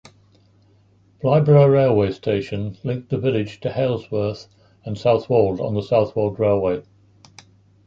Blythburgh railway station linked the village to Halesworth and Southwold on the Southwold Railway.